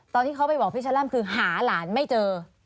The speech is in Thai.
ตอนที่เขาไปบอกพี่ชะล่ำคือหาหลานไม่เจอ